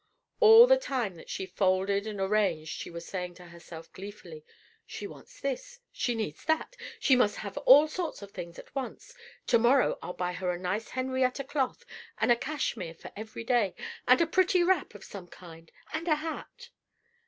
All the time that she folded, and arranged, she was saying to herself, gleefully "She wants this, she needs that: she must have all sorts of things at once. To morrow I'll buy her a nice Henrietta cloth, and a cashmere for every day, and a pretty wrap of some kind and a hat."